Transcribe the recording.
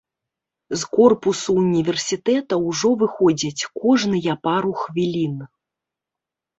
З корпусу ўніверсітэта ўжо выходзяць кожныя пару хвілін.